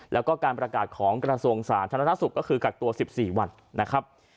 แล้วก็การประกาศของกราศวงศ์ศาลธนทรัพย์ศุกร์ก็คือกักตัวสิบสี่วันนะครับ